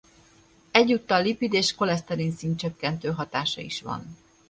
Egyúttal lipid- és koleszterinszint-csökkentő hatása is van.